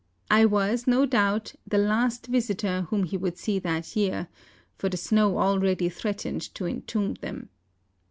I was, no doubt, the last visitor whom he would see that year ; for the snow already threatened to entomb them.